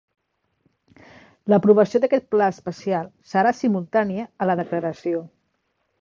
L'aprovació d'aquest pla especial serà simultània a la declaració.